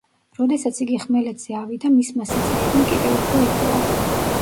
როდესაც იგი ხმელეთზე ავიდა, მისმა სიძლიერემ კიდევ უფრო იკლო.